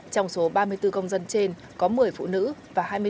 trong số ba mươi bốn công dân trên có một mươi phụ nữ và hai mươi bốn người